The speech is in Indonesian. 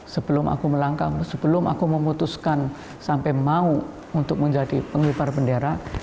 sebelum aku melangkah sebelum aku memutuskan sampai mau untuk menjadi pengibar bendera